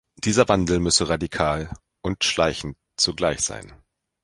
Dieser Wandel müsse radikal und schleichend zugleich sein.